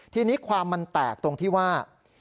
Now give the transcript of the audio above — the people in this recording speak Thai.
ทีนี้ความมันแตกตรงที่ว่า